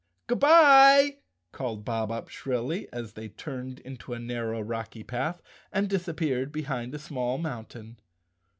"Good bye!" called Bob Up shrilly, as they turned into a narrow rocky path and disappeared behind a small mountain.